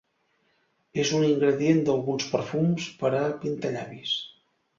És un ingredient d'alguns perfums per a pintallavis.